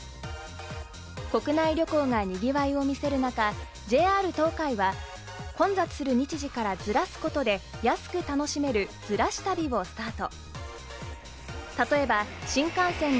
国内旅行が賑わいを見せる中、ＪＲ東海は混雑する日時からずらすことで安く楽しめる、ずらし旅をスタート。